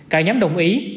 cả nhóm đồng ý